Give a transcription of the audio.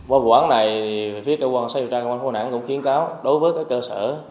với vụ án này phía cơ quan xây dựng ra cơ quan phố nản cũng khiến cáo đối với các cơ sở